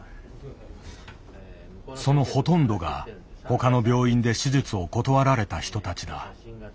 そのほとんどが他の病院で手術を断られた人たちだ。